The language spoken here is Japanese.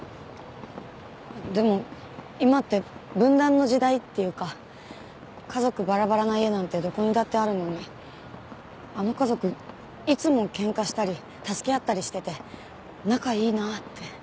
でも今って分断の時代っていうか家族バラバラな家なんてどこにだってあるのにあの家族いつも喧嘩したり助け合ったりしてて仲いいなあって。